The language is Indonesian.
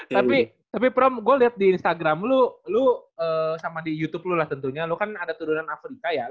tapi tapi prom gua lihat di instagram lu lu sama di youtube lu lah tentunya lu kan ada tuduran afrika ya